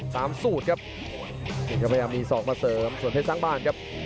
สูตรครับนี่ก็พยายามมีศอกมาเสริมส่วนเพชรสร้างบ้านครับ